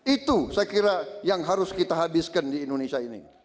itu saya kira yang harus kita habiskan di indonesia ini